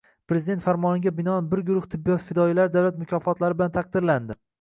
Prezident Farmoniga binoan bir guruh tibbiyot fidoyilari davlat mukofotlari bilan taqdirlandi